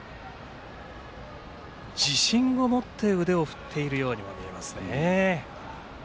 自信を持って腕を振っているようにも見えます。